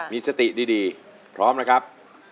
มีสติดีพร้อมนะครับ